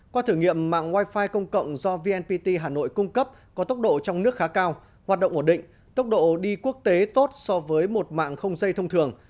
qua thử nghiệm mạng wi fi công cộng do vnpt hà nội cung cấp có tốc độ trong nước khá cao hoạt động ổn định tốc độ đi quốc tế tốt so với một mạng không dây thông thường